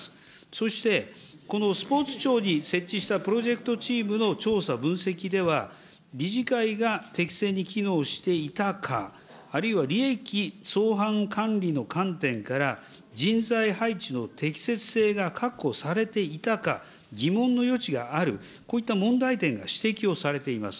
そしてこのスポーツ庁に設置したプロジェクトチームの調査、分析では、理事会が適正に機能していたか、あるいは利益相反管理の観点から、人材配置の適切性が確保されていたか、疑問の余地がある、こういった問題点が指摘をされています。